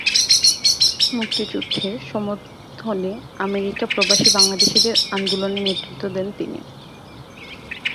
মুক্তিযুদ্ধের সমর্থনে আমেরিকা প্রবাসী বাংলাদেশীদের আন্দোলনে নেতৃত্ব দেন তিনি।